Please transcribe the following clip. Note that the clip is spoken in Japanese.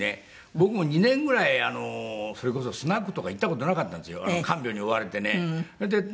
僕も２年ぐらいそれこそスナックとか行った事なかったんですよ